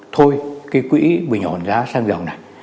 thôi cái quỹ bình ổn giá xăng dầu này